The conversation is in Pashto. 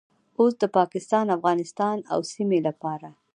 اوس د پاکستان، افغانستان او سیمې لپاره